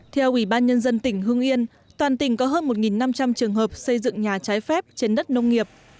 theo ủy ban nhân dân tỉnh hưng yên toàn tỉnh có hơn một năm trăm linh trường hợp xây dựng nhà trái phép trên đất nông nghiệp